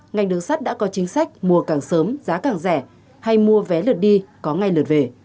ngành đường sắt đã có chính sách mùa càng sớm giá càng rẻ hay mua vé lượt đi có ngay lượt về